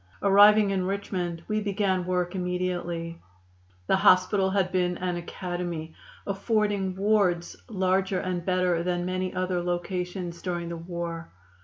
"Arriving in Richmond, we began work immediately. The hospital had been an academy, affording wards larger and better than many other locations during the war.